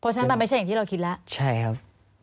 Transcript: เพราะฉะนั้นมันไม่ใช่อย่างที่เราคิดแล้วใช่ครับ